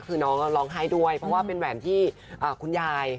คือน้องร้องไห้ด้วยเพราะว่าเป็นแหวนที่คุณยาย